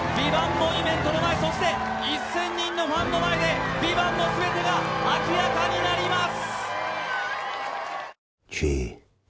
モニュメント、そして１０００人のファンの皆さんの前で、「ＶＩＶＡＮＴ」の全てが明らかになります！